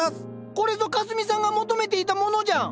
これぞかすみさんが求めていたものじゃん。